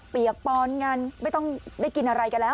เปียกปอนกันไม่ต้องได้กินอะไรกันแล้ว